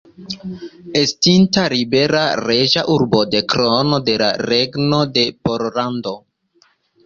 Estinta libera reĝa urbo de Krono de la Regno de Pollando.